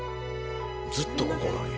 ずっとここなんや。